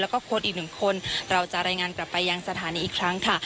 แล้วก็โค้ดอีกหนึ่งคนเราจะรายงานกลับไปยังสถานีอีกครั้งค่ะ